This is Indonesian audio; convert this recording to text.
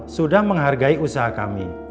sudah menghargai usaha kami